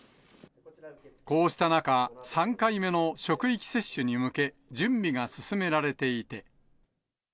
こうした中、３回目の職域接種に向け、準備が進められていて。